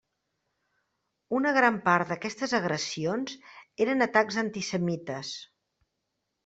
Una gran part d'aquestes agressions eren atacs antisemites.